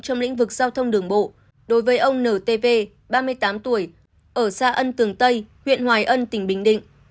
trong lĩnh vực giao thông đường bộ đối với ông ntv ba mươi tám tuổi ở xã ân tường tây huyện hoài ân tỉnh bình định